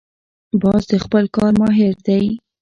باز د خپل کار ماهر دی